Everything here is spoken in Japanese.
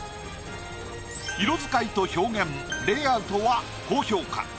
色使いと表現・レイアウトは高評価。